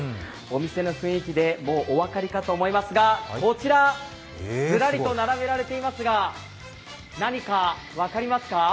お店の雰囲気で、もうお分かりかと思いますがこちら、ずらりと並べられていますが、何か分かりますか？